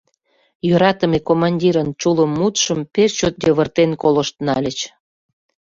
Йӧратыме командирын чулым мутшым пеш чот йывыртен колышт нальыч.